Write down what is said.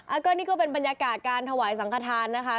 อันนี้ก็เป็นบรรยากาศการถวายสังขทานนะคะ